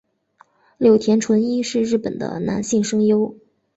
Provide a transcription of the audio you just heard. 柳田淳一是日本的男性声优。